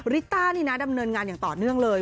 ริต้านี่นะดำเนินงานอย่างต่อเนื่องเลย